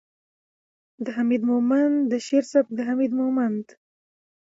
، د حميد مومند د شعر سبک ،د حميد مومند